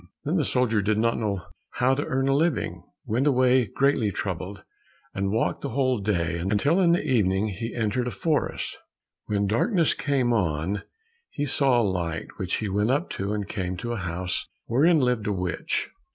Then the soldier did not know how to earn a living, went away greatly troubled, and walked the whole day, until in the evening he entered a forest. When darkness came on, he saw a light, which he went up to, and came to a house wherein lived a witch.